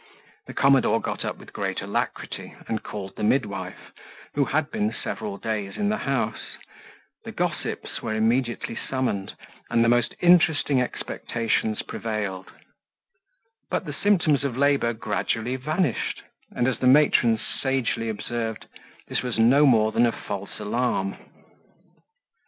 The commodore got up with great alacrity, and called the midwife, who had been several days in the house; the gossips were immediately summoned, and the most interesting expectations prevailed; but the symptoms of labour gradually vanished, and as the matrons sagely observed, this was no more than a false alarm.